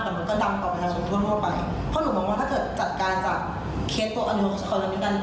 แต่มันก็ดังต่อประชาชนทั่วทั่วไปเพราะหนูมองว่าถ้าเกิดจัดการจากเคสตัวอโนสคอลโลมิตัน